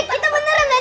kita beneran gak deh